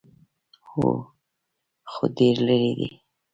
_هو، خو ډېر ليرې دی.